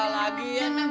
lagi ya men